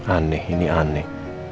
aneh ini aneh